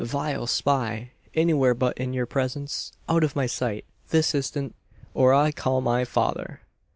"Vile spy! Anywhere but in your presence! Out of my sight! This instant, or I call my father!"